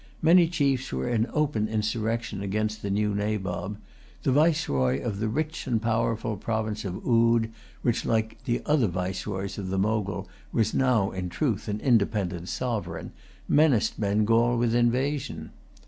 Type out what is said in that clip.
Many chiefs were in open insurrection against the new Nabob. The viceroy of the rich and powerful province of Oude, who, like the other viceroys of the Mogul was now in truth an independent sovereign, menaced Bengal with invasion.